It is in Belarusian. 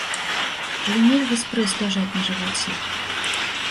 Але нельга спрэс ляжаць на жываце.